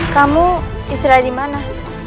kamu israt di mana